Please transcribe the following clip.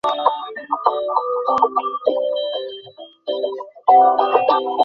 বাইরে গিয়ে দেখো কি হচ্ছে!